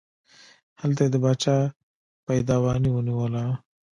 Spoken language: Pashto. هلته یې د باچا پایدواني ونیوله.